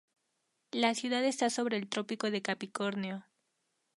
La ciudad está sobre el Trópico de Capricornio.